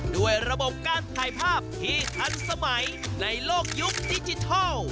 ด้วยระบบการถ่ายภาพที่ทันสมัยในโลกยุคดิจิทัล